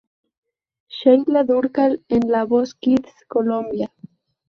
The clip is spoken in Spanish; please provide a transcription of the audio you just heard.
Sheila Dúrcal en La Voz Kids Colombia.